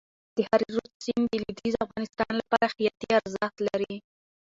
د هریرود سیند د لوېدیځ افغانستان لپاره حیاتي ارزښت لري.